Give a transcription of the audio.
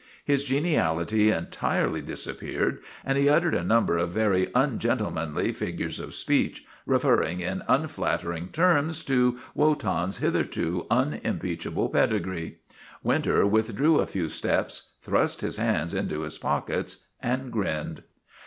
His geniality entirely disappeared and he uttered a number of very ungentlemanly fig ures of speech, referring in unflattering terms to Wotan's hitherto unimpeachable pedigree. Winter withdrew a few steps, thrust his hands into his pockets, and grinned.